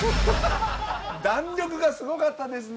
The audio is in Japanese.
弾力がすごかったですね。